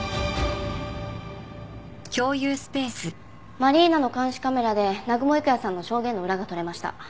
マリーナの監視カメラで南雲郁也さんの証言の裏が取れました。